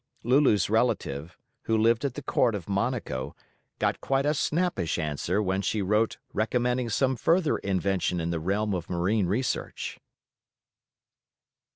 Lulu's relative, who lived at the Court of Monaco, got quite a snappish answer when she wrote recommending some further invention in the realm of marine research.